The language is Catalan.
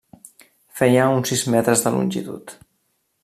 Feia uns sis metres de longitud.